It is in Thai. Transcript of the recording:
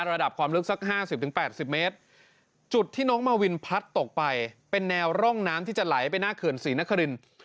ระดับความลึกสัก๕๐๘๐เมตรจุดที่น้องมาวินพัดตกไปเป็นแนวร่องน้ำที่จะไหลไปหน้าเขื่อนศรีนครินทร์